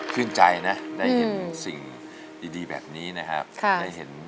ชื่นใจนะได้เห็นสิ่งดีแบบนี้นะครับ